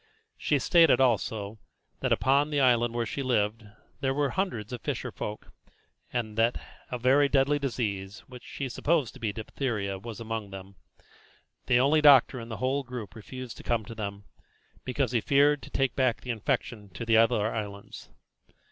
She stated, also, that upon the island where she lived there were some hundreds of fisher folk, and that a very deadly disease, that she supposed to be diphtheria, was among them. The only doctor in the whole group refused to come to them, because he feared to take back the infection to the other islands.